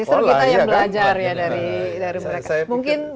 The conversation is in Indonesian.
justru kita yang belajar ya dari mereka